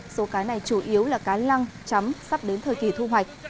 số cá này chủ yếu là cá lăng chấm sắp đến thời kỳ thu hoạch